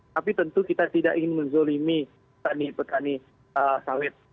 tapi tentu kita tidak ingin menzolimi petani sawit